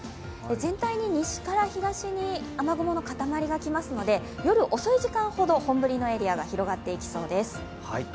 全体に西から東に雨雲の塊が来ますので夜遅い時間ほど本降りのエリアが広がっていきそうです。